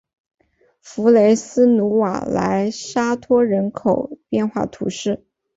弗雷斯努瓦莱沙托人口变化图示